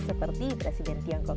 seperti presiden tiago